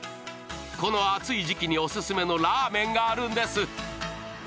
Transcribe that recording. この暑い時期にオススメのラーメンがあるんです。